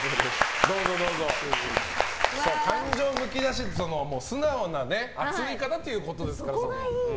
感情むき出しって素直な熱い方ということですから。